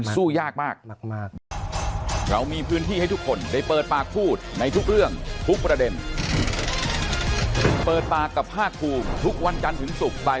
สู้ยากมาก